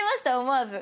思わず。